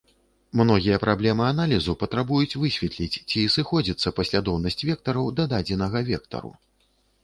Многія праблемы аналізу патрабуюць высветліць, ці сыходзіцца паслядоўнасць вектараў да дадзенага вектару.